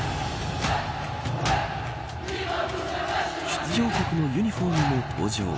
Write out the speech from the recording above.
出場国のユニホームも登場。